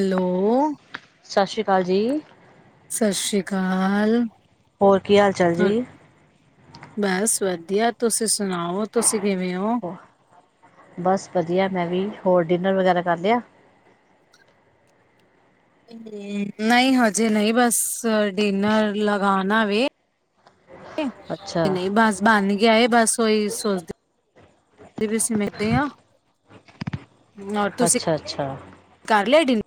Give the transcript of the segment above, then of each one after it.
Hello, ਸਤਿ ਸ੍ਰੀ ਅਕਾਲ ਜੀ। ਸਤਿ ਸ਼੍ਰੀ ਅਕਾਲ। ਹੋਰ ਕੀ ਹਾਲ ਚਾਲ ਜੀ? ਬਸ ਵਧੀਆ, ਤੁਸੀਂ ਸੁਣਾਓ ਤੁਸੀਂ ਕਿਵੇਂ ਓ? ਬਸ ਵਧੀਆ ਮੈਂ ਵੀ, ਹੋਰ ਡਿਨਰ ਵਗੈਰਾ ਕਰ ਲਿਆ? ਨਹੀਂ ਹਜੇ ਨਹੀਂ ਬਸ ਡਿਨਰ ਲਗਾਣਾ ਵੇ। ਅੱਛਾ, ਨਹੀਂ ਬਾਜ਼ ਬਣ ਗਿਆ ਏ ਬਸ ਉਹੀ ਸੋਚਦੇ ਵੀ ਅਸੀਂ ਮਿਲਦੇ ਆ। ਹੋਰ ਤੁਸੀ ਅੱਛਾ, ਅੱਛਾ। ਕਰ ਲਿਆ ਡਿਨਰ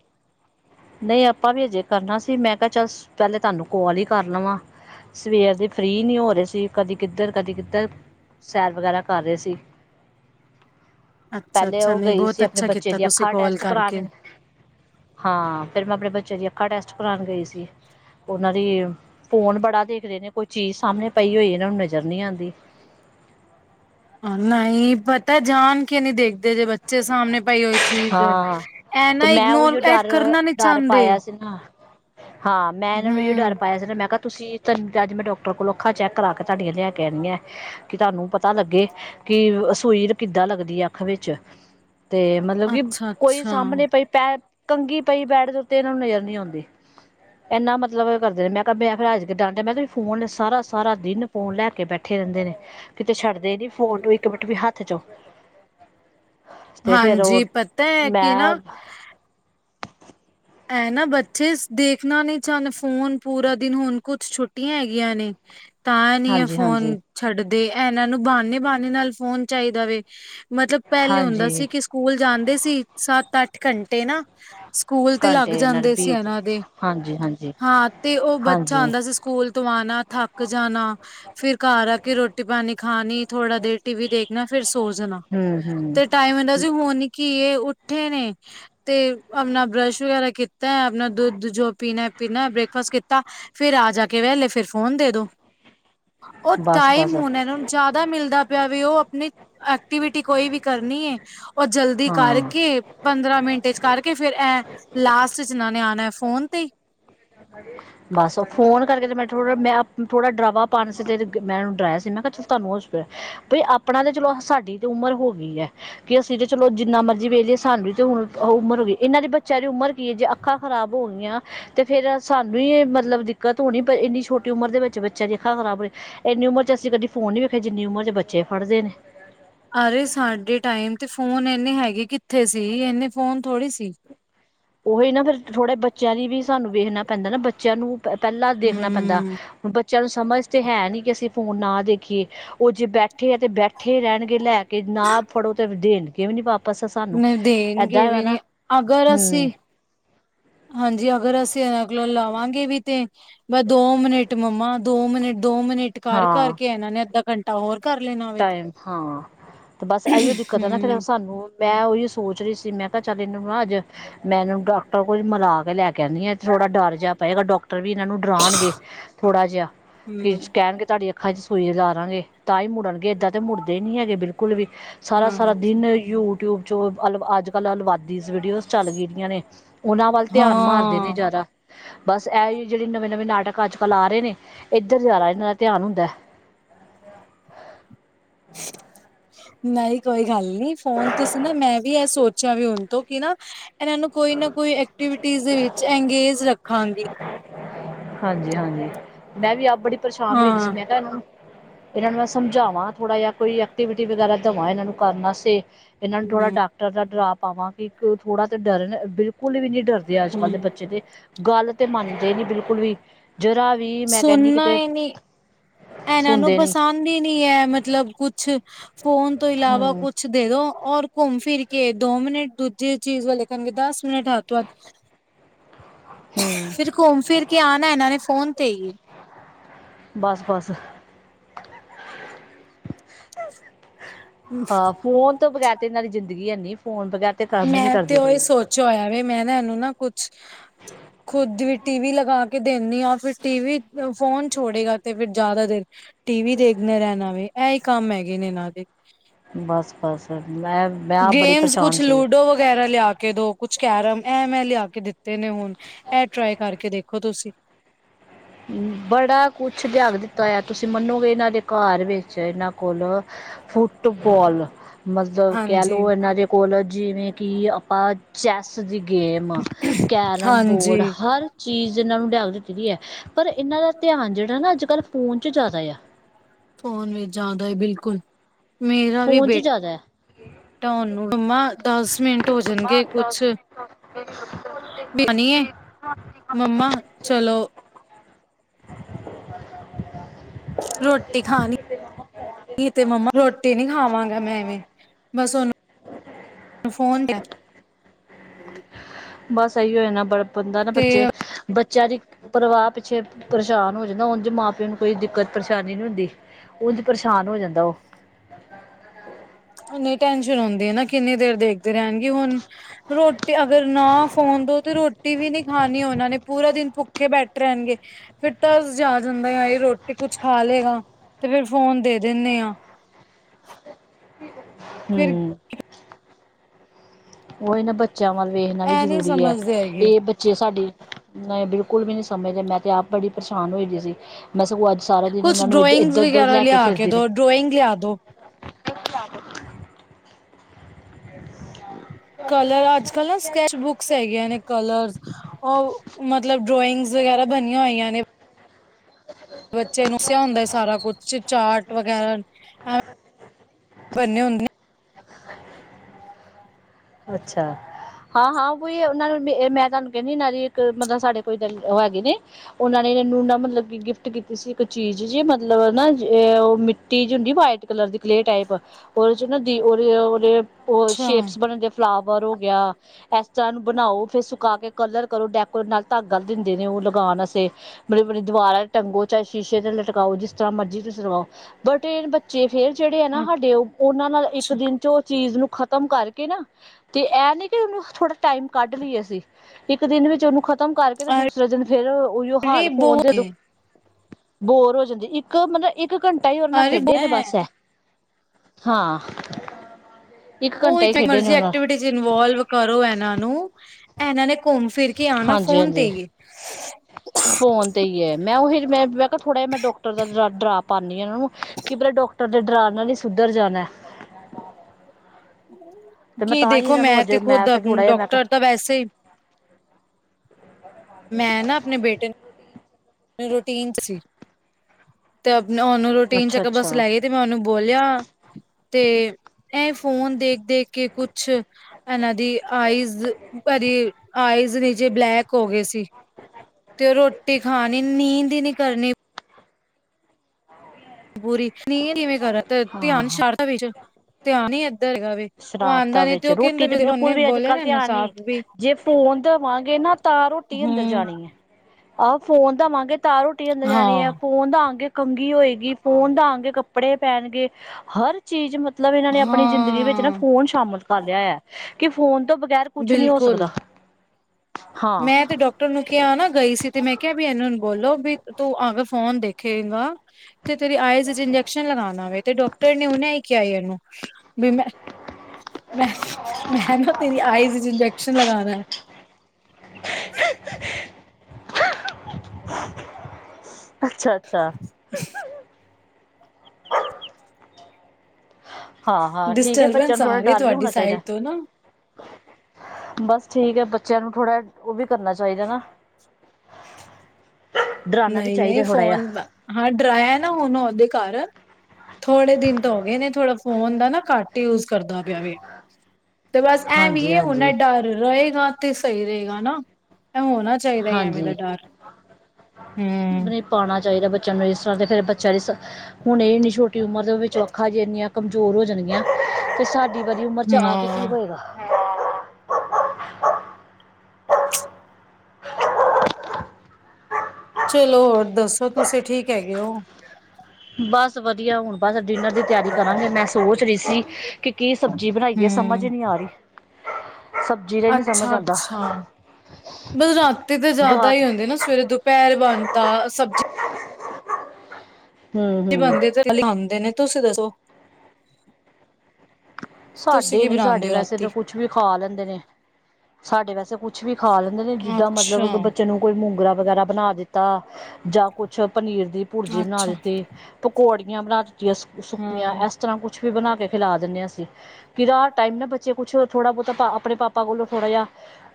ਨਹੀਂ ਆਪਾਂ ਵੀ ਅਜੇ ਕਰਨਾ ਸੀ, ਮੈਂ ਕਿਹਾ ਚੱਲ ਪਹਿਲੇ ਤੁਹਾਨੂੰ ਕਾਲ ਹੀ ਲਵਾਂ। ਸਵੇਰ ਦੇ ਫਰੀ ਨਹੀਂ ਹੋ ਰਹੇ ਸੀ ਕਦੀ ਕਿੱਧਰ - ਕਦੀ ਕਿੱਧਰ ਸੈਰ ਵਗੈਰਾ ਕਰ ਰਹੇ ਸੀ। ਪਹਿਲੇ ਅੱਛਾ-ਅੱਛਾ ਉਹ ਨਹੀਂ ਗਈ ਬਹੁਤ ਸੀ ਆਪਣੇ ਅੱਛਾ ਬੱਚੇ ਕੀਤਾ ਦੀ ਤੁਸੀਂ ਅੱਖਾਂ ਕਾਲ ਟੈਸਟ ਕਰਕੇ। ਕਰਾਨ, ਹਾਂ। ਫਿਰ ਮੈਂ ਆਪਣੇ ਬੱਚਿਆਂ ਦੀ ਅੱਖਾਂ ਟੈਸਟ ਕਰਾਉਣ ਗਈ ਸੀ। ਉਹਨਾਂ ਦੀ, ਫੋਨ ਬੜਾ ਦੇਖ ਰਹੇ ਨੇ, ਕੋਈ ਚੀਜ਼ ਸਾਹਮਣੇ ਪਈ ਹੋਈ ਇਹਨਾਂ ਨੂੰ ਨਜ਼ਰ ਨਹੀਂ ਆਉਂਦੀ। ਨਹੀਂ ਪਤਾ ਜਾਣ ਕੇ ਨਹੀ ਦੇਖਦੇ, ਜੇ ਬੱਚੇ ਸਾਹਮਣੇ ਪਈ ਹੋਈ ਚੀਜ ਹਾਂ ਐ ਤੇ ਨਾ ਮੈਂ ਇਗਨੋਰ, ਉਹੀਓ ਇਹ ਡਰ ਕਰਨਾ ਨਹੀਂ ਡਰ ਚਾਹੁੰਦੇ। ਪਾਇਆ ਸੀ ਹਾਂ, ਮੈਂ ਇਹਨਾਂ ਨੂੰ ਇਹ ਹੂੰ ਡਰ ਪਾਇਆ ਸੀ ਨਾ ਮੈਂ ਕਿਹਾ ਤੁਸੀਂ ਅੱਜ ਮੈਂ ਡਾਕਟਰ ਕੋਲ ਅੱਖਾਂ ਚੈੱਕ ਕਰਾ ਕੇ ਤੁਹਾਡੀਆਂ ਲਿਆ ਕੇ ਆਉਣੀਆ ਕਿ ਤੁਹਾਨੂੰ ਪਤਾ ਲੱਗੇ, ਕਿ ਸੂਈ ਕਿਦਾ ਲੱਗਦੀ ਹੈ ਅੱਖ ਵਿਚ, ਤੇ ਮਤਲਬ ਕਿ, ਕੋਈ ਅੱਛਾ-ਅੱਛਾ। ਸਾਹਮਣੇ ਪਈ ਪੈ ਕੰਘੀ ਪਈ ਬੈਡ ਦੇ ਉੱਤੇ ਇਹਨਾਂ ਨੂੰ ਨਜ਼ਰ ਨਹੀਂ ਆਉਂਦੀ। ਇੰਨਾ ਮਤਲਬ ਇਹ ਕਰਦੇ ਨੇ ਮੈਂ ਕਿਹਾ, ਮੈਂ ਫਿਰ ਅੱਜ ਤੇ ਡਾਂਟਿਆ ਮੈਂ ਕਿਹਾ ਵੀ ਫੋਨ ਸਾਰਾ- ਸਾਰਾ ਦਿਨ ਫੋਨ ਲੈ ਕੇ ਬੈਠੇ ਰਹਿੰਦੇ ਨੇ, ਕਿਤੇ ਛੱਡਦੇ ਨੀ ਫੋਨ ਨੂੰ ਇੱਕ ਮਿੰਟ ਵੀ ਹੱਥ ਚੋਂ ਤੇ ਫੇਰ ਉਹ ਹਾਂਜੀ, ਪਤਾ ਹੈ ਕਿ ਨਾ ਮੈਂ ਐ ਨਾ ਬੱਚੇ ਦੇਖਣਾ ਨਹੀ ਚਾਹੁੰਦੇ ਫੋਨ, ਪੂਰਾ ਦਿਨ ਹੁਣ ਕੁਛ ਛੁੱਟੀਆਂ ਹੈਗੀਆਂ ਨੇ ਤਾਂ ਨੀ ਆ ਹਾਂਜੀ ਹਾਂਜੀ ਫੋਨ ਛੱਡਦੇ, ਇਹਨਾਂ ਨੂੰ ਬਹਾਨੇ-ਬਹਾਨੇ ਨਾਲ ਫੋਨ ਚਾਹੀਦਾ ਵੇ। ਮਤਲਬ ਪਹਿਲੇ ਹੁੰਦਾ ਹਾਂਜੀ ਸੀ ਕਿ ਸਕੂਲ ਜਾਂਦੇ ਸੀ, ਸੱਤ-ਅੱਠ ਘੰਟੇ ਨਾ ਸਕੂ- ਲ ਤੇ ਲੱਗ ਘੰਟੇ ਨਾਲ ਜਾਂਦੇ ਸੀ ਬੀਤ ਇਹਨਾਂ ਦੇ, ਹਾਂਜੀ ਹਾਂਜੀ ਹਾਂ ਤੇ ਉਹ ਬੱਚਾ ਹਾਂਜੀ ਆਦਾ ਸੀ। ਸਕੂਲ ਤੋਂ ਆਣਾ ਥੱਕ ਜਾਣਾ, ਫਿਰ ਘਰ ਆ ਕੇ ਰੋਟੀ-ਪਾਣੀ ਖਾਣੀ ਥੋੜਾ ਦੇਰ ਟੀ ਵੀ ਦੇਖਣਾ ਫਿਰ ਸੋਂ ਜਾਣਾ ਹੂੰ ਹੂੰ ਤੇ ਟਾਈਮ ਇਹਦਾ ਤੇ ਹੁਣ ਕੀ ਇਹ ਉੱਠੇ ਨੇ ਤੇ, ਆਪਣਾ ਬਰਸ਼ ਵਗੈਰਾ ਕੀਤਾ। ਆਪਣਾ ਦੁੱਧ ਜੋ ਪੀਣਾ-ਪੀਣਾ ਬ੍ਰੇਕਫਾਸਟ ਕੀਤਾ। ਫਿਰ ਆ ਜਾ ਕੇ ਵੇਹਲੇ ਫੋਨ ਦੇ ਦੋ ਉਹ ਬਸ ਬਸ ਟਾਈਮ ਹੁਣ ਇਹ ਨੂੰ ਜ਼ਿਆਦਾ ਮਿਲਦਾ ਪਿਆ ਵੀ, ਉਹ ਆਪਣੀ ਐਕਟੀਵਿਟੀ ਕੋਈ ਵੀ ਕਰਨੀ ਏ। ਉਹ ਜਲਦੀ ਹਾਂ ਕਰਕੇ ਪੰਦਰਾਂ ਮਿੰਟ 'ਚ ਕਰਕੇ ਫਿਰ ਐਂ ਲਾਸਟ ਚ ਇਹਨਾਂ ਨੇ ਆਉਣਾ ਫੋਨ ਤੇ [inaudible] ਬਸ ਉਹ ਫੋਨ ਕਰਕੇ, ਤੇ ਮੈਂ ਥੋੜਾ ਮੈਂ ਥੋੜਾ ਡਰਾਵਾ ਪਾਣਾ ਸੀ, ਤੇ ਮੈਂ ਡਰਾਇਆ ਸੀ ਮੈਂ ਕਿਹਾ ਚ ਤੁਹਾਨੂੰ ਹੋਸਪਿਟਲ ਬਈ ਆਪਣਾ ਤਾਂ ਚਲੋ ਸਾਡੀ ਤੇ ਉਮਰ ਹੋ ਗਈ ਐ। ਕਿ ਅਸੀ ਤੇ ਚਲੋ, ਜਿੰਨਾ ਮਰਜ਼ੀ ਵੇਖ ਲਈਏ ਸਾਨੂੰ ਤੇ ਹੁਣ ਉਹ ਉਮਰ ਹੋ ਗਈ ਇਹਨਾਂ ਦੇ ਬੱਚਿਆਂ ਦੀ ਉਮਰ ਕੀ ਐ ਜੇ ਅੱਖਾਂ ਖ਼ਰਾਬ ਹੋਗੀਆਂ ਤੇ ਫਿਰ ਸਾਨੂੰ ਮਤਲਬ ਦਿੱਕਤ ਹੋਣੀ ਪਰ ਇੰਨੀ ਛੋਟੀ ਉਮਰ ਦੇ ਵਿੱਚ ਬੱਚਿਆਂ ਦੀਆਂ ਅੱਖਾਂ ਖਰਾਬ ਹੋ ਇੰਨੀ ਉਮਰ ਚ ਅਸੀਂ ਕਦੀ ਫੋਨ ਨ ਵੇਖੇ, ਜਿੰਨੀ ਉਮਰ ਚ ਬੱਚੇ ਫੜਦੇ ਨੇ। ਅਰੇ ਸਾਡੇ ਟਾਈਮ ਤੇ ਫੋਨ ਇੰਨੇ ਹੈਗੇ ਕਿੱਥੇ ਸੀ ਇਹਨੇ ਫੋਨ ਥੋੜੀ ਸੀ। ਉਹੀ ਨਾ ਫਿਰ ਥੋੜੇ ਬੱਚਿਆਂ ਲਈ ਵੀ ਸਾਨੂੰ ਵੇਖਣਾ ਪੈਦਾ ਨਾ ਬੱਚਿਆਂ ਨੂੰ ਪਹਿਲਾਂ ਦੇਖਣਾ ਪੈਂਦਾ, ਹਮ ਬੱਚਿਆਂ ਨੂੰ ਸਮਝ ਤਾਂ ਹੈਨੀ ਹ ਕਿ ਅਸੀਂ ਫੋਨ ਦੇਖੀਏ। ਉਹ ਜੇ ਬੈਠੇ ਆ ਤੇ ਬੈਠੇ ਰਹਿਣਗੇ ਲੈ ਕੇ ਨਾ ਫੜੋ ਤੇ ਦੇਣਗੇ ਵੀ ਨੀ ਵਾਪ ਨਹੀਂ ਦੇਣਗੇ ਵੀ ਨੀ, ਅਗਰ ਹਮ ਅਸੀ ਹਾਂਜੀ ਅਗਰ ਅਸੀਂ ਇਹਨਾਂ ਕੋਲ ਲਾਵਾਂਗੇ ਵੀ ਤੇ, ਬਸ ਦੋ ਮਿੰਟ ਮੰਮਾ ਦੋ-ਮਿੰਟ ਦੋ-ਮਿੰਟ ਕਰ ਹਾਂ ਕਰਕੇ ਇਹਨਾਂ ਨੇ ਅੱਧਾ ਘੰਟਾ ਹੋਰ ਕਰ ਲੈਣਾ। ਵੇ ਟਾਈਮ ਹਾਂ ਤੇ ਬਸ ਇਹੀਓ ਦਿੱਕਤ ਏ ਨਾ ਫਿਰ ਹੂੰ ਸਾਨੂੰ ਮੈਂ ਉਹੀ ਸੋਚ ਰਹੀ ਸੀ, ਮੈਂ ਕਿਹਾ ਚੱਲ ਇਹਨੂੰ ਨਾ ਅੱਜ ਮੈਂ ਇਹਨੂੰ ਡਾਕਟਰ ਕੋਲ ਮਿਲਾ ਕੇ ਲੈ ਕੇ ਆਣੀ ਆ, ਥੋੜਾ ਡਰ ਜਾਹਾ ਪਏਗਾ ਡਾਕਟਰ ਵੀ ਇਹਨਾਂ ਨੂੰ ਡਰਾਗੇ ਥੋੜਾ ਜਿਹਾ, ਕਿ ਹੂੰ ਕਹਿਣਗੇ ਤੁਹਾਡੀ ਅੱਖਾਂ ਚ ਸੂਈ ਲਾ ਦੇਵਾਂਗੇ ਤਾਂ ਹੀ ਮੁੜਾ- ਗੇ। ਏਦਾਂ ਤੇ ਮੁੜਦੇ ਨੀ ਹੈਗੇ ਬਿਲਕੁਲ ਵੀ, ਸਾਰਾ-ਸਾਰਾ ਦਿਨ ਹਾਂਜੀ ਯੂ- ਟਿਊਬ 'ਚ ਅਲ ਅੱਜ ਕੱਲ ਅਲੁਵਾ ਵੀਡੀਓਜ਼ ਚੱਲ ਗਈਆਂ ਨੇ। ਉਹਨਾਂ ਵੱਲ ਧਿਆਨ ਮਾਰਦੇ ਨੇ ਹਾਂ ਜ਼ਿਆਦਾ। ਬਸ ਇਹ ਹੀ ਜਿਹੜੇ ਨਵੇਂ-ਨਵੇਂ ਨਾਟਕ ਅੱਜ-ਕੱਲ੍ਹ ਆ ਰਹੇ ਨੇ ਇੱਧਰ ਜਾਦਾ ਇਹਨਾਂ ਦਾ ਧਿਆਨ ਹੁੰਦਾ। ਨਹੀਂ ਕੋਈ ਗੱਲ ਨੀ ਫੋਨ ਤੇ ਸੀ ਨਾ ਮੈਂ ਵੀ ਇਹ ਸੋਚਿਆ ਵੀ ਹੁਣ ਤੋਂ ਕਿ ਨਾ ਇਹਨਾਂ ਨੂੰ ਕੋਈ ਨਾ ਕੋਈ ਐਕਟੀਵਿਟੀ ਦੇ 'ਚ ਅੰਗੇਜ ਰੱਖਾਂਗੀ। ਹਾਂਜੀ-ਹਾਂਜੀ। ਮੈਂ ਵੀ ਆਪ ਬੜੀ ਪਰੇਸ਼ਾਨ ਹੋਈ ਦੀ ਹਾਂ ਸੀ ਮੈਂ ਕਿਹਾ ਨਾ ਇਹਨਾਂ ਨੂੰ ਮੈਂ ਸਮਝਾਵਾਂ ਥੋੜ੍ਹਾ ਜਿਹਾ ਕੋਈ ਐਕਟੀਵਿਟੀ ਵਗੈਰਾ ਦੇਵਾਂ ਇਹਨਾਂ ਨੂੰ ਕਰਨ ਵਾਸਤੇ। ਇਹਨਾਂ ਨੂੰ ਥੋੜਾ ਹੂੰ ਡਾਕਟਰ ਦਾ ਡਰਾ ਪਾਵਾਂ ਕਿ ਥੋੜਾ ਤਾਂ ਡਰਨ ਬਿਲਕੁਲ ਵੀ ਨੀ ਡਰਦੇ ਆ ਅੱਜ-ਕੱਲ੍ਹ ਦੇ ਹੂੰ ਬੱਚੇ ਤੇ ਗੱਲ ਤੇ ਮੰਨਦੇ ਨੀ ਬਿਲਕੁਲ ਵੀ ਜਰਾ ਵੀ ਮੈਂ ਕਹਿੰਦੀ ਸੁਨਣਾ ਕਿਤੇ ਏ ਨੀ। ਇਹਨਾਂ ਨੂੰ ਸੁਣਦੇ ਨੀ ਪਸੰਦ ਹੀ ਨੀ ਐ ਮਤਲਬ ਕੁਛ ਫੋਨ ਤੋਂ ਇਲਾਵਾ ਕੁਛ ਹੂੰ ਕੁਛ ਦੇ ਦੋ ਔਰ ਘੁੰਮ ਫਿਰ ਕੇ ਦੋ ਮਿੰਟ ਦੂਜੀ ਚੀਜ਼ ਵੱਲ ਦੇਖਣਗੇ ਦਸ ਮਿੰਟ ਹੱਦ ਤੋਂ ਵੱਧ ਹਮ ਫਿਰ ਘੁੰਮ ਫਿਰ ਕੇ ਆਣਾ ਇਹਨਾਂ ਨੇ ਫੋਨ ਤੇ ਹੀ ਬਸ-ਬਸ। ਹਾਂ ਫੋਨ ਤੋਂ ਬਗੈਰ ਤੇ ਇਹਨਾਂ ਦੀ ਜ਼ਿੰਦਗੀ ਹੈਨੀ ਫੋਨ ਬਗੈਰ ਤੇ ਕੰਮ ਹੀ ਨੀ ਕਰਦੇ ਕੋਈ ਜੋ ਐਵੇਂ ਮੈਂ ਨਾ ਇਹਨੂੰ ਨਾ ਕੁਛ [inaudible] ਖੁਦ ਵੀ ਟੀ ਵੀ ਲਗਾ ਕੇ ਦਿੰਦੀ ਹਾ ਫਿਰ ਟੀ ਵੀ ਫੋਨ ਛੋੜੇਗਾ ਤੇ ਫਿਰ ਜ਼ਿਆਦਾ ਦੇਰ ਟੀ ਵੀ ਦੇਖਣੇ ਰਹਿਣਾਵੇ ਇਹ ਹੀ ਕੰਮ ਹੈਗੇ ਨੇ ਇਹਨਾਂ ਦੇ ਬਸ- ਬਸ ਮੈਂ ਮੈਂ ਆਪ ਬੜੀ ਗੇਮਸ ਕੁਛ ਪਰੇਸ਼ਾਨ ਸੀ ਲੂਡੋ ਵਗੈਰਾ ਲਿਆ ਕੇ ਦੋ ਕੁਛ ਕੈਰਮ ਐ ਮੈਂ ਲਿਆ ਕੇ ਦਿੱਤੇ ਨੇ ਹੁਣ ਇਹ ਟਰਾਈ ਕਰਕੇ ਦੇਖੋ ਤੁਸੀਂ ਬੜਾ ਕੁਛ ਲਿਆ ਕੇ ਦਿੱਤਾ ਆ ਤੁਸੀਂ ਮੰਨੋਗੇ ਇਹਨਾਂ ਦੇ ਘਰ ਵਿੱਚ ਇਹਨਾਂ ਕੋਲ ਫੁੱਟਬਾਲ ਮਤਲਬ ਕਹਿ ਹਾਂਜੀ, ਲਓ ਇਹਨਾਂ ਦੇ ਕੋਲ ਜਿਵੇਂ ਕਿ ਆਪਾਂ ਚੈੱਸ ਦੀ ਗੇਮ, ਕੈਰਮ ਬੋਰਡ ਹਾਂਜੀ। ਹਰ ਚੀਜ਼ ਇਹਨਾਂ ਨੂੰ ਲਿਆ ਕੇ ਦਿੱਤੀ ਦੀ ਆ ਪਰ ਇਹਨਾਂ ਦਾ ਧਿਆਨ ਜਿਹੜਾ ਨਾ ਅੱਜ- ਕੱਲ੍ਹ ਫੋਨ 'ਚ' ਜ਼ਿਆਦਾ ਆ ਫੋਨ ਵੀ ਜ਼ਿਆਦਾ ਏ ਬਿਲਕੁਲ ਮੇਰਾ ਵੀ ਫੋਨ 'ਚ ਬੇਟਾ ਜ਼ਿਆਦਾ ਹੈ ਤੁਹਾਨੂੰ ਮੰਮਾ ਦਸ ਮਿੰਟ ਹੋ ਜਾਣਗੇ ਕੁਛ ਬਣੀਏ। [unintelligible] ਮੰਮਾ ਚਲੋ। ਰੋਟੀ ਖਾਣੀ ਕੀ ਤੇ ਮੰਮਾ ਰੋਟੀ ਨੀ ਖਾਵਾਂਗਾ ਮੈਂ ਐਵੇਂ ਬਸ ਉਹਨੂੰ ਫੋਨ ਲੈ ਬਸ ਇਹੀ ਹੋ ਜਾਣਾ ਬੜ ਬੰਦਾ ਨਾ ਤੇ ਬੱਚੇ ਬੱਚਿਆਂ ਦੀ ਪਰਵਾਹ ਪਿੱਛੇ ਪਰੇਸ਼ਾਨ ਹੋ ਜਾਂਦਾ ਉਜ ਮਾਂ ਪਿਓ ਨੂੰ ਕੋਈ ਦਿੱਕਤ ਪਰੇਸ਼ਾਨੀ ਨੀ ਹੁੰਦੀ। ਉਝ ਪ੍ਰੇਸ਼ਾਨ ਹੋ ਜਾਂਦਾ ਉਹ ਏਨੀ ਟੈਨਸ਼ਨ ਹੁੰਦੀ ਏ ਨਾ ਕਿੰਨੀ ਦੇਰ ਦੇਖਦੇ ਰਹਿਣਗੇ ਹੁਣ ਰੋਟੀ ਅਗਰ ਨਾ ਫੋਨ ਦੋ ਤੇ ਰੋਟੀ ਵੀ ਨੀ ਖਾਣੀ ਉਹਨਾਂ ਨੇ ਪੂਰਾ ਦਿਨ ਭੁੱਖੇ ਬੈਠੇ ਰਹਿਣਗੇ ਫਿਰ ਤਾਂ ਜਾ ਜਾਂਦਾ ਰੋਟੀ ਕੁੱਛ ਖਾ ਲਏਗਾ ਤੇ ਫਿਰ ਫੋਨ ਦੇ ਦਿੰਨੇ ਆ ਫਿਰ ਹਮ। ਉਹੀ ਨਾ ਬੱਚਿਆਂ ਵੱਲ ਵੇਖਣਾ ਵੀ ਇਹ ਨਹੀਂ ਜ਼ਰੂਰੀ ਆ ਸਮਝਦੇ ਹੈਗੇ ਇਹ ਬੱਚ ਜੇ ਸਾਡੀ ਬਿਲਕੁਲ ਵੀ ਨੀ ਸਮਝਦੇ ਮੈਂ ਤੇ ਆਪ ਬੜੀ ਪਰੇਸ਼ਾਨ ਹੋਈ ਸੀ ਮੈਂ ਸਗੋਂ ਅੱਜ ਸਾਰਾ ਦਿਨ ਕੁਛ ਇਹਨਾਂ ਨੂੰ ਡਰੋਇੰਗਸ ਇੱਧਰ -ਉੱਧਰ ਵਗੈਰਾ ਲੈ ਕੇ ਲਿਆ ਫਿਰਦੀ ਦੋ ਰਹੀ। ਡਰੋਇੰਗ ਲਿਆ ਦਿਉ। ਕਲਰ ਅੱਜ- ਕੱਲ੍ਹ ਨਾ ਸਕੈਚ ਬੁੱਕਸ ਹੈਗੀਆਂ ਨੇ ਕਲਰਸ ਉਹ ਮਤਲਬ ਡਰੋਇੰਗਜ਼ ਵਗੈਰਾ ਬਣੀਆਂ ਹੋਈਆਂ ਨੇ ਬੱਚੇ ਨੂੰ ਦੱਸਿਆ ਹੁੰਦਾ ਹੈ ਸਾਰ ਕੁਛ ਚਾਰਟ ਵਗੈਰਾ [inaudible] ਬਣੇ ਹੁੰਦੇ ਨੇ ਅੱਛਾ, ਹਾਂ- ਹਾਂ ਕੋਈ ਉਹਨਾਂ ਨੂੰ ਮੈਂ ਤੁਹਾਨੂੰ ਕਹਿੰਦੀ ਇਹਨਾਂ ਦੀ ਇੱਕ ਮਤਲਬ ਸਾਡੇ ਕੋਈ ਹੈਗੀ ਨੇ ਉਹਨਾਂ ਨੇ ਇਹਨੂੰ ਨਾ ਮਤਲਬ ਕਿ ਗਿਫਟ ਕੀਤੀ ਸੀ ਇੱਕ ਚੀਜ਼ ਜੇ ਮਤਲਬ ਨਾ ਉਹ ਮਿੱਟੀ ਜੀ ਹੁੰਦੀ ਵਟ ਕਲਰ ਦੀ ਕਲੇਅ ਟਾਈਪ ਉਹਦੇ 'ਚ ਨਾ ਦੀ ਉਹਦੇ, ਉਹਦੇ ਉਹ ਅੱਛਾ ਸ਼ੇਪਸ ਬਣਦੇ ਫਲਾਵਰ ਹੋ ਗਿਆ, ਇਸ ਤਰ੍ਹਾਂ ਇਹਨੂੰ ਬਣਾਓ। ਫਿਰ ਸੁਕਾ ਕੇ ਕਲਰ ਕਰੋ ਡੈਕੋਟ ਨਾਲ ਧਾਗਾ ਦਿੰਦੇ ਨੇ ਉਹ ਲਗਾਉਣ ਵਾਸਤੇ। ਵੜੀ- ਵੜੀ ਦੀਵਾਰਾਂ ਤੇ ਟੰਗੋ ਚਾਹੇ ਸ਼ੀਸ਼ੇ ਤੇ ਲਟਕਾਓ ਜਿਸ ਤਰ੍ਹਾਂ ਮਰਜ਼ੀ ਤੁਸੀਂ ਲਗਾਓ। ਬਟ ਇਹ ਬੱਚੇ ਫੇਰ ਜਿਹੜੇ ਆ ਨਾ ਸਾਡੇ ਉਹਨਾਂ ਨਾਲ ਇੱਕ ਦਿਨ ਚ ਉਹ ਚੀਜ਼ ਨੂੰ ਖ਼ਤਮ ਕਰਕੇ ਨਾ। ਤੇ ਇਹ ਨੀ ਕਿ ਉਹਨੂੰ ਥੋੜਾ ਟਾਈਮ ਕੱਢ ਲਈਏ ਅਸੀਂ, ਇੱਕ ਦਿਨ ਵਿੱਚ ਉਹਨੂੰ ਖ਼ਤਮ ਖ਼ਤਮ ਕਰਕੇ ਤੇ ਦੂਸਰੇ ਦਿਨ ਫਿਰ ਉਹੀਓ ਹਾਲ ਅਰੇ ਫੋਨ ਬੋਲ ਦੇਦੋ, ਬੋਰ ਹੋ ਜਾਂਦੀ ਇੱਕ ਇੱਕ ਮਤਲਬ ਇੱਕ ਘੰਟਾ ਹੀ ਓਹਦੇ ਨਾਲ ਅਰੇ ਬੋ ਖੇਡੇ ਨੇ ਬੱਸ ਐ। ਹਾਂ, ਇੱਕ ਘੰਟਾ ਹੀ ਖੇਡ ਮਰਜੀ ਐਕਟੀਵਟੀ ਇਨਵਲਵ ਕਰੋ ਇਹਨਾਂ ਨੂੰ ਇਹਨਾਂ ਨੇ ਘੁੰਮ ਫਿਰ ਕੇ ਆਣਾ ਹਾਂਜੀ ਫੋਨ ਤੇ ਹਾਂਜੀ ਈ ਏ। ਫੋਨ ਤੇ ਹੀ ਐ, ਮੈਂ ਉਹੀ ਮੈਂ, ਮੈਂ ਕਿਹਾ ਥੋੜਾ ਜਿਹਾ ਮੈਂ ਡਾਕਟਰ ਦਾ ਡਰਾ ਪਾਣੀਂ ਆ ਇਹਨਾਂ ਨੂੰ, ਕਿ ਪਤਾ ਡਾਕਟਰ ਜੇ ਡਰਾ ਨਾਲ ਹੀ ਸੁੱਧਰ ਜਾਣਾ। ਤੇ ਮੈਂ ਕੀ ਤਾਂ ਹੀ ਦੇਖੋ ਇਹਨਾਂ ਨੂੰ ਮੈਂ ਤੇ ਅਜੇ ਖੁਦ ਫਿਰ ਥੋੜਾ ਜਿਹਾ ਮੈਂ ਡਾਕਟਰ ਤਾਂ ਕਿਹਾ ਵੈਸੇ ਹੀ ਮੈਂ ਨਾ ਆਪਣੇ ਬੇਟੇ ਨੂੰ ਰੂਟੀਨ 'ਚ' ਸੀ, ਤੇ ਆਪਣਾ ਉਹਨੂੰ ਰੂਟੀਨ ਅੱਛਾ ਚੱਕ ਬੱਸ ਅੱਛਾ ਲ ਤੇ ਮੈਂ ਉਹਨੂੰ ਬੋਲਿਆ, ਤੇ ਐਏ ਫੋਨ ਦੇਖ-ਦੇਖ ਕੇ ਕੁਛ ਇਹਨਾਂ ਦੀ ਆਈਜ਼, ਇਹਦੀ ਆਈਜ਼ ਨੀਚੇ ਬਲੈਕ ਹੋ ਗਏ ਸੀ। ਤੇ ਉਹ ਰੋਟੀ ਖਾਣੀ ਨੀਂਦ ਹੀ ਨੀ ਕਰਨੀ ਬੂਰੀ, ਨੀਂਹ ਨੀਵੇਂ ਕਰਾ ਤੇ ਹਾਂ ਧਿਆਨ ਹਾਂ ਛੱਡਦਾ ਵਿੱਚ, ਧਿਆਨ ਹੀ ਇੱਧਰ ਹੈਗਾ ਵੇ ਉਹ ਆਉਂਦਾ ਸ਼ਰਾਰਤਾਂ ਨੀ ਤੇ ਵਿੱਚ ਉਹ ਕਹਿੰਦਾ ਰੋਟੀ ਵੀ ਬਿਲਕੁਲ ਉਹਨੇ ਅੱਜ ਬੋਲਿਆ ਨਾ ਕੱਲ੍ਹ ਧਿਆਨ ਨੀ ਇਨਸਾਫ਼ ਵੀ ਜੇ ਫੋਨ ਦੇਵਾਂਗੇ ਨਾ ਤਾਂ ਰੋਟੀ ਅੰਦਰ ਹੂੰ ਜਾਣੀ ਐ। ਆਹੋ ਫੋਨ ਦਵਾਂਗੇ ਤਾਂ ਰੋਟੀ ਅੰਦਰ ਜਾਣੀ ਆ, ਹਾਂ-ਹਾਂ ਫੋਨ ਦਵਾਂਗੇ ਆਗੇ ਕੰਘੀ ਹੋਏਗੀ, ਫੋਨ ਦਾ ਆਗੇ ਕੱਪੜੇ ਪੈਣਗੇ ਹਰ ਚੀਜ਼ ਮਤਲਬ ਇਹਨਾਂ ਨੇ ਆਪਣੀ ਜ਼ਿੰਦਗੀ ਵਿੱਚ ਨਾ ਫੋਨ ਸ਼ਾਮਲ ਕਰ ਲਿਆ ਐ, ਕਿ ਫੋਨ ਤੋਂ ਬਗੈਰ ਕੁਛ ਨੀ ਹੋ ਸਕਦਾ। ਬਿਲਕੁਲ ਹਾਂ ਮੈਂ ਤੇ ਡੋ ਤੈਨੂੰ ਕਿਹਾ ਨਾ ਗਈ ਸੀ ਤੇ ਮੈਂ ਕਿਹਾ ਵੀ ਇਹਨਾਂ ਬੋਲੋ ਵੀ ਤੂੰ ਆ ਕੇ ਫੋਨ ਦੇਖੇਗਾ। ਤੇ ਤੇਰੀ ਆਇਜ਼ ਵਿਚ ਇੰਜੈਕਸ਼ਨ ਲਗਾਣਾ ਵੇ ਤੇ ਡਾਕਟਰ ਨੇ ਉਹਨੇ ਹੀ ਕਿਹਾ ਇਹਨੂੰ ਵੀ ਮੈਂ, ਮੈਂ-ਮੈਂ ਨਾ ਤੇਰੀ ਆਈਜ਼ 'ਚ' ਇੰਜੈਕਸ਼ਨ ਲਗਾਣਾ। ਅੱਛਾ-ਅੱਛਾ। ਹਾਂ-ਹਾਂ ਠੀਕ ਐ ਬੱਚਿਆਂ ਡਿਸਟਰਬੈਂਸ ਨੂੰ ਥੋੜ੍ਹਾ ਆ ਰਹੀ ਡਰ ਵੀ ਤੁਹਾਡੀ ਹੋਣਾ ਚਾਹੀਦਾ। ਸਾਈਡ ਤੋਂ ਨਾ ਬੱਸ ਠੀਕ ਐ, ਬੱਚਿਆਂ ਨੂੰ ਥੋੜਾ ਉਹ ਵੀ ਕਰਨਾ ਚਾਹੀਦਾ ਨਾ, ਡਰਾਣਾ ਵੀ ਨਹੀਂ ਚਾਹੀਦਾ ਨਹੀਂ ਥੋੜਾ ਜਾ। ਫੋਨ ਹਾਂ ਡਰਾਇਆ ਨਾ ਉਹਨੂੰ ਓਹਦੇ ਘਰ। ਥੋੜੇ ਦਿਨ ਤਾਂ ਹੋ ਗਏ ਨੇ ਥੋੜਾ ਫੋਨ ਦਾ ਨਾ ਘੱਟ ਯੂਜ ਕਰਦਾ ਪਿਆ ਵੇ। ਤੇ ਬੱਸ ਐਂ ਵੀ ਹਾਂਜੀ ਇਹ ਹੁਣ ਹਾਂਜੀ ਡਰ ਰਹੇਗਾ ਤੇ ਸਹੀ ਰਹੇਗਾ ਨਾ। ਇਹ ਹੋਣਾ ਚਾਹੀਦਾ ਐਵੇਂ ਦਾ ਹਾਂਜੀ। ਡਰ ਹੂੰ ਪਾਣਾ ਚਾਹੀਦਾ ਬੱਚਿਆਂ ਨੂੰ ਇਸ ਤਰ੍ਹਾਂ ਫੇਰ ਬੱਚਿਆਂ ਦੀ, ਹੁਣ ਇਹ ਇੰਨੀ ਛੋਟੀ ਉਮਰ ਦੇ ਚੌਖਾ ਜੇ ਇੰਨੀਆਂ ਕਮਜ਼ੋਰ ਹੋ ਜਾਣਗੀਆਂ ਤੇ ਸਾਡੀ ਵਾਰੀ ਉਮਰ 'ਚ' ਆ ਕੇ ਕੀ ਹਾਂ ਹੋਏਗਾ? ' [unintelligible] ਚਲੋ, ਹੋਰ ਦੱਸੋ, ਤੁਸੀਂ ਠੀਕ ਹੈਗੇ ਹੋ। ਬੱਸ ਵਧੀਆ ਹੁਣ ਬੱਸ ਡਿਨਰ ਦੀ ਤਿਆਰੀ ਕਰਾਂਗੇ ਮੈਂ ਸੋਚ ਰਹੀ ਸੀ ਕਿ ਕੀ ਸਬਜ਼ੀ ਬਣਾਈਏ ਸਮਝ ਹੂੰ। ਨੀ ਆ ਰਹੀ। ਸਬ ਅੱਛਾ-ਅੱਛਾ, ਬੱਸ ਰਾਤੀ ਤਾਂ ਜ਼ਿਆਦਾ ਹੀ ਰਾਤ ਹੁੰਦੇ ਨਾ ਸਵੇਰੇ, ਦੁਪਹਿਰ ਬਣਤਾ ਸਬਜ਼ੀ ਹੂੰ ਹੂੰ ਬਣਦੀ 'ਤੇ ਨਾਲ ਹੀ ਖਾਂਦੇ ਨੇ ਤੁਸੀਂ ਦੱਸੋ?' ' [inaudible] ਸਾਡੇ ਨੀ, ਸਾਡੇ ਵੈਸੇ ਤਾਂ ਕੁਛ ਵੀ ਖਾ ਲੈਂਦੇ ਨੇ ਸਾਡੇ ਵੈਸੇ ਕੁਛ ਵੀ ਖਾ ਲੈਂਦੇ ਨੇ ਜਿੱਦਾਂ ਅੱਛਾ ਮਤਲਬ ਬੱਚੇ ਨੂੰ ਕੋਈ ਮੂੰਗਰਾ ਵਗੈਰਾ ਬਣਾ ਦਿੱਤਾ ਜਾਂ ਕੁਛ ਪਨੀਰ ਦੀ ਭੁਰਜੀ ਬਣਾ ਅੱਛਾ ਦਿੱਤੀ, ਪਕੌੜੀਆਂ ਬਣਾ ਦਿੱਤੀਆਂ, ਅ ਸੁੱਕੀਆਂ ਇਸ ਤਰ੍ਹਾਂ ਕੁਛ ਵੀ ਬਣਾ ਕੇ ਖਿਲਾ ਦਿੰਨੇ ਆ ਅਸੀਂ ਕਿਰਾਇਆ ਤਾਂ ਨਾ ਬਚੇ ਆ ਕੁਛ ਥੋੜ੍ਹਾ ਬਹੁਤਾ ਆਪਣੇ ਪਾਪਾ ਕੋਲੋਂ ਥੋੜ੍ਹਾ ਜਾ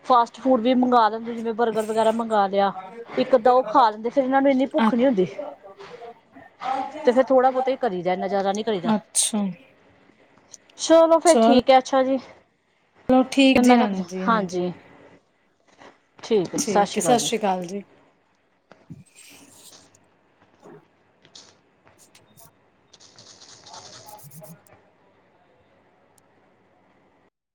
ਫਾਸਟ ਫੂਡ ਵੀ ਮੰਗਵਾ ਦਿੰਦੇ ਜਿਵੇਂ ਬਰਗਰ ਵਗੈਰਾ ਮੰਗਵਾ ਲਿਆ। ਇੱਕ ਤਾਂ ਉਹ ਖਾ ਲਿੰਦੇ ਫਿਰ ਇਹਨਾਂ ਨੂੰ ਇੰਨੀ ਭੁੱਖ ਨਹੀਂ ਹੁੰਦੀ। 'ਤੇ ਫੇਰ ਥੋੜ੍ਹਾ ਬਹੁਤਾ ਹੀ ਕਰੀਦਾ ਇੰਨਾ ਜ਼ਿਆਦਾ ਨੀ ਕਰੀਦਾ। ਅੱਛਾ। ਚਲੋ ਫਿਰ ਠੀਕ ਚਲੋ ਹੈ ਅੱਛਾ ਜੀ, ਫਿਰ ਮੈਂ ਰੱਖਦਾ, ਹਾਂਜੀ। ਜੀ ਠੀਕ ਸ਼੍ਰੀ ਹੈ, ਅਕਾਲ ਸਤਿ ਜੀ ਸ੍ਰੀ ਆਕਾਲ ਜੀ। [inaudible]